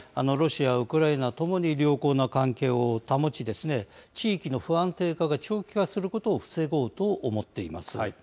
ロシア、ウクライナともに良好な関係を保ち、地域の不安定化が長期化することを防ごうと思っています。